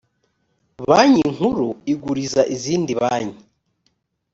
banki nkuru iguriza izindi banki.